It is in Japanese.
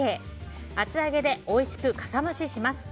厚揚げでおいしくかさ増しします。